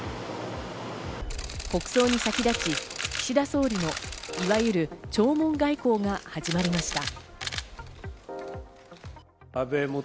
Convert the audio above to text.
国葬に先立ち、岸田総理のいわゆる弔問外交が始まりました。